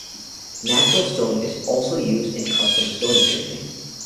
Natural stone is also used in custom stone engraving.